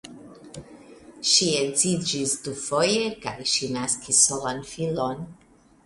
Ŝi edziĝis dufoje kaj ŝi naskis solan filon.